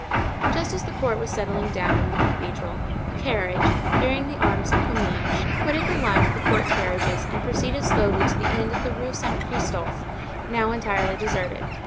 Just as the court was settling down in the cathedral, a carriage, bearing the arms of Comminges, quitted the line of the court carriages and proceeded slowly to the end of the Rue Saint Christophe, now entirely deserted.